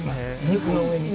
肉の上に。